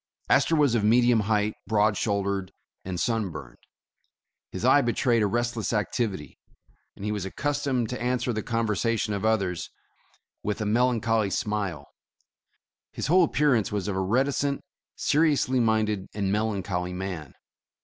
Astor was of medium height, broad shouldered and sun burned. His eye betrayed a restless activity, and he was accustomed to answer the conversation of others with a melancholy smile; his whole appearance was of a reticent, seriously minded and melancholy man.